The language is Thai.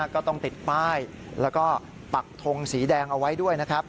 ก็ต้องติดป้ายแล้วก็ปักทงสีแดงเอาไว้ด้วยนะครับ